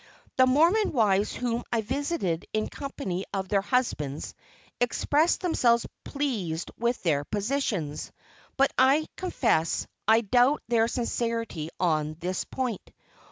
The Mormon wives whom I visited in company of their husbands, expressed themselves pleased with their positions; but I confess I doubt their sincerity on this point.